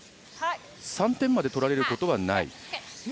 ３点まで取られることはないと。